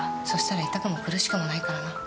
そうしたら、痛くも苦しくもないからな。